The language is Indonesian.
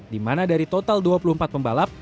di mana dari total dua puluh empat pembalap